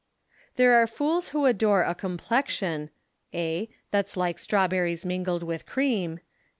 There are fools who adore a complexion That's like strawberries mingled with cream.